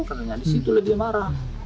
karena di situ lebih marah